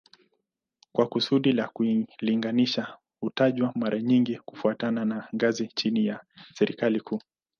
Kwa kusudi la kulinganisha hutajwa mara nyingi kufuatana na ngazi chini ya serikali kuu